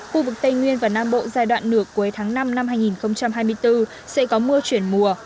khu vực tây nguyên và nam bộ giai đoạn nửa cuối tháng năm năm hai nghìn hai mươi bốn sẽ có mưa chuyển mùa